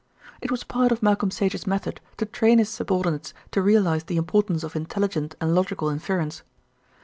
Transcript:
It was part of Malcolm Sage's method to train his subordinates to realise the importance of intelligent and logical inference.